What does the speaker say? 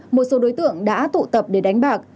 một số đối tượng đã tụ tập để đánh bạc